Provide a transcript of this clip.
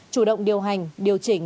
chủ động điều hành điều chỉnh